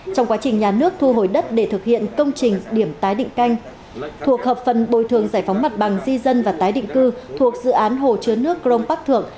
trong quá trình nhà nước thu hồi đất để thực hiện công trình điểm tái định canh thuộc hợp phần bồi thường giải phóng mặt bằng di dân và tái định cư thuộc dự án hồ chứa nước crong park thượng